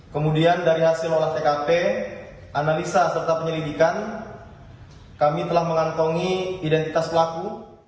kemudian dari hasil olah tkp analisa serta penyelidikan kami telah mengantongi identitas pelaku